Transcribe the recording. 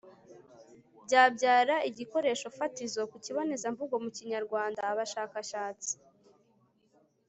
byabyara igikoresho fatizo ku kibonezamvugo mu kinyarwanda. abashakashatsi